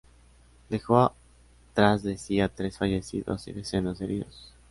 Dejó tras de sí a tres fallecidos y decenas de heridos.